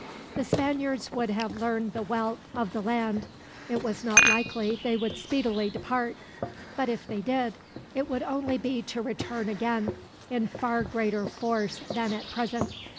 The Spaniards would have learned the wealth of the land. It was not likely they would speedily depart; but if they did, it would only be to return again, in far greater force than at present.